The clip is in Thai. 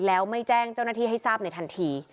แล้วไม่แจ้งเจ้าหน้าที่ให้ทราบในทันที